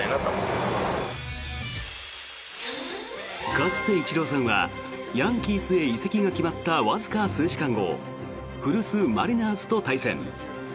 かつてイチローさんはヤンキースへ移籍が決まったわずか数時間後古巣マリナーズと対戦。